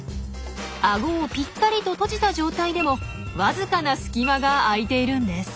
アゴをぴったりと閉じた状態でもわずかな隙間が開いているんです。